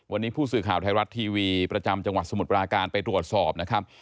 วันนี้ผู้สื่อข่าวไทยรัฐทีวีประจำจังหวัดสมุทรปราการไปตรวจสอบนะครับ